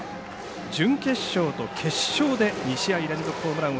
準決勝と決勝で２試合連続ホームランを